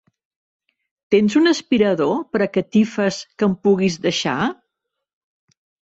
Tens un aspirador per a catifes que em puguis deixar?